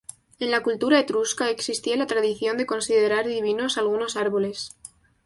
En la cultura etrusca existía la tradición de considerar divinos algunos árboles.